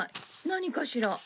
何かしら？